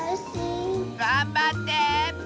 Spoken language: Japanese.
がんばって！